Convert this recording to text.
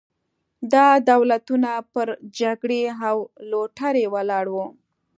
دا دولتونه پر جګړې او لوټرۍ ولاړ وو.